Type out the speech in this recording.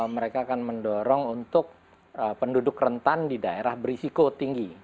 mereka akan mendorong untuk penduduk rentan di daerah berisiko tinggi